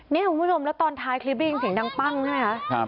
นี้ครับคุณผู้ชมและตอนท้ายคลิปได้ยินเสียงดังปั้งนะฮะ